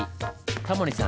タモリさん